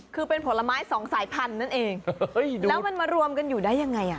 คือเป็นผลไม้สองสายพันธุ์นั่นเองแล้วมันมารวมกันอยู่ได้ยังไงอ่ะ